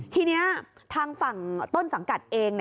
ทีนี้ทางฝั่งต้นสังกัดเอง